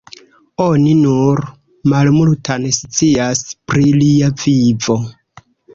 Oni nur malmultan scias pri lia vivo.